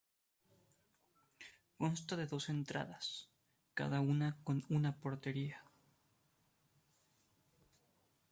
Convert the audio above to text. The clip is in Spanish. Consta de dos entradas, cada una con una portería.